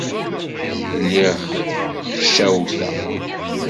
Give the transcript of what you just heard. Lliɣ xcawteɣ.